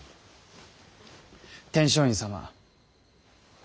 天璋院様。